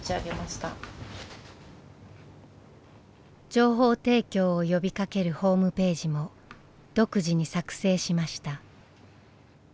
情報提供を呼びかけるホームページも独自に作成しました。